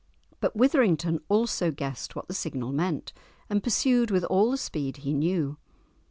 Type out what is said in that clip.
But Withrington also guessed what the signal meant, and pursued with all the speed he knew.